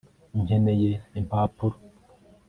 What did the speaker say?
nkeneye impapuro .